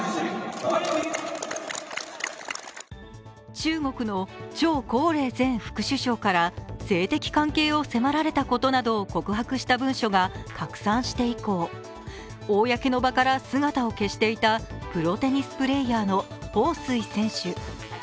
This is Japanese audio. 中国の張高麗前副首相から性的関係を迫られたことなどを告白した文書が拡散して以降、公の場から姿を消していたプロテニスプレーヤーの彭帥選手。